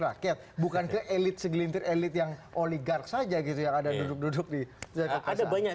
rakyat bukan ke elit segelintir elit yang oligark saja gini ada duduk duduk di jakarta ada banyak